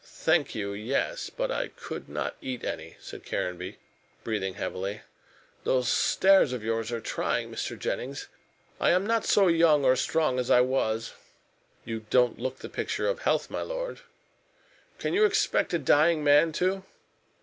"Thank you, yes. But I could not eat any," said Caranby, breathing heavily. "Those stairs of yours are trying, Mr. Jennings. I am not so young or so strong as I was." "You don't look the picture of health, my lord." "Can you expect a dying man to?"